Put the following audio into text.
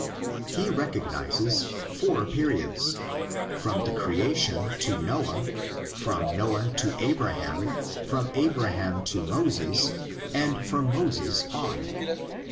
He recognises four periods: from the creation to Noah, from Noah to Abraham, from Abraham to Moses, and from Moses on.